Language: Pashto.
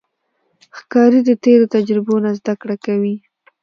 ښکاري د تیرو تجربو نه زده کړه کوي.